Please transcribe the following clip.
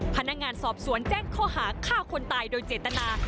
พนักงานสอบสวนแจ้งข้อหาฆ่าคนตายโดยเจตนา